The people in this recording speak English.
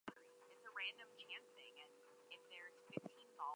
Some of the crime associated has been displaced to the periphery.